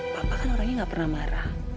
papa kan orangnya gak pernah marah